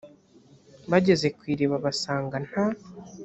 bageze ku iriba basanga nta